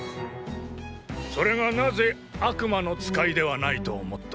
それがなぜ悪魔の使いではないと思った？